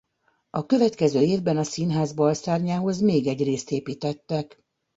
A következő évben a színház balszárnyához még egy részt építettek.